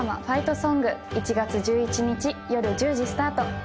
「ファイトソング」１月１１日よる１０時スタート